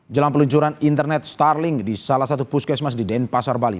jelang peluncuran internet starling di salah satu puskesmas di denpasar bali